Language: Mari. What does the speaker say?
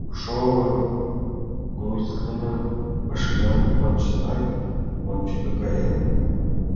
Шолым грузитлыме машина онченак ончыко кая.